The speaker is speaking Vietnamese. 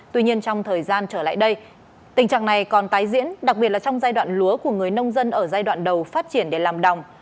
tuy nhiên trong thời gian trở lại đây tình trạng này còn tái diễn đặc biệt là trong giai đoạn lúa của người nông dân ở giai đoạn đầu phát triển để làm đồng